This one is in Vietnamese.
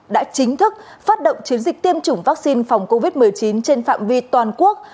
đã chính thức phát động chiến dịch tiêm chủng vaccine phòng covid một mươi chín trên phạm vi toàn quốc